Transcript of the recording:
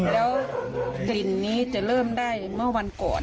แล้วกลิ่นนี้จะเริ่มได้เมื่อวันก่อน